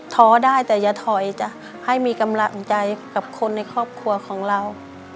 ท้อได้แต่อย่าถอยจ้ะให้มีกำลังใจกับคนในครอบครัวของเรา